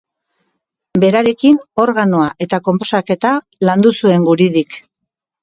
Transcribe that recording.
Berarekin organoa eta konposaketa landu zuen Guridik.